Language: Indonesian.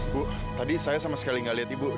bu tadi saya sama sekali nggak lihat ibu